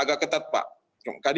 agak ketat pak